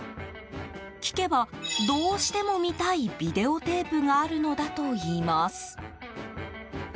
聞けばどうしても見たいビデオテープがあるのだといいます。